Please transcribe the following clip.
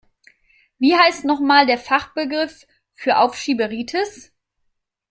Wie heißt noch mal der Fachbegriff für Aufschieberitis?